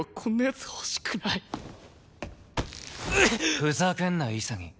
ふざけんな潔。